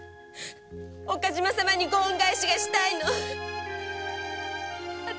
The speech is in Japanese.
岡島様にご恩返ししたいの私